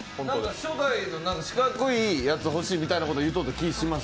初代の四角いやつ、欲しいみたいなことを言うておった気がします。